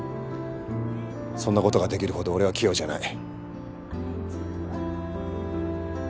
そんなことができるほど俺は器用じゃない。